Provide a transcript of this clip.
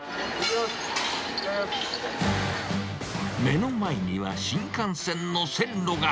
目の前には新幹線の線路が。